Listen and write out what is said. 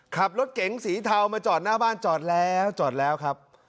ขับรถเก๋งสีเทามาจอดหน้าบ้านจอดแล้วจอดแล้วครับ